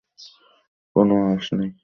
কোনো আঁশ নেই।